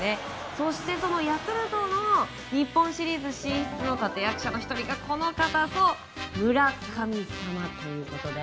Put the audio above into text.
そしてヤクルトの日本シリーズの進出の立役者の１人がこの方、そう村神様ということで。